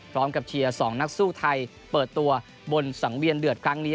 เชียร์๒นักสู้ไทยเปิดตัวบนสังเวียนเดือดครั้งนี้